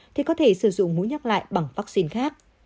thì có thể sử dụng mũi nhắc lại bằng vaccine khác